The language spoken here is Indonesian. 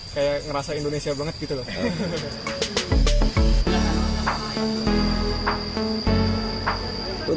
kayak ngerasa indonesia banget gitu loh